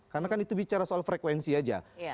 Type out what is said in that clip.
karena kan itu bicara soal frekuensi aja